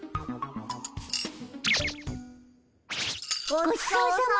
ごちそうさま。